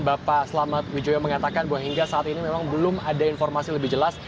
bapak selamat wijoyo mengatakan bahwa hingga saat ini memang belum ada informasi lebih jelas